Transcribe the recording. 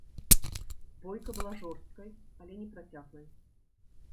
Бойка была жорсткай, але не працяглай.